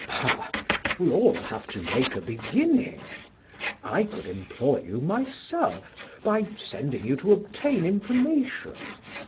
"Bah, we all have to make a beginning. I could employ you myself by sending you to obtain information.